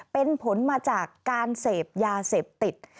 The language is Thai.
เป็นผลมาจากการเสพยาเสพติด